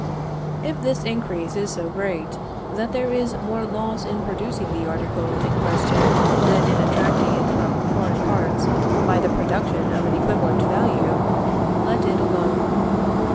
If this increase is so great that there is more loss in producing the article in question than in attracting it from foreign parts by the production of an equivalent value, let it alone.